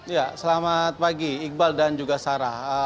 ya selamat pagi iqbal dan juga sarah